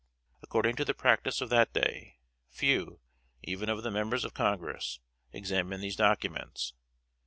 According to the practice of that day, few, even of the members of Congress, examined these documents.